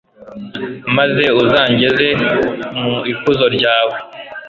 maze uzangeze mu ikuzo ryawe